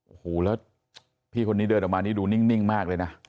โอ้โหแล้วพี่คนนี้เดินออกมานี่ดูนิ่งมากเลยนะ